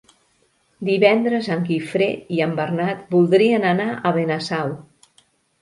Divendres en Guifré i en Bernat voldrien anar a Benasau.